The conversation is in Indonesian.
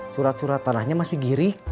surat surat tanahnya masih giring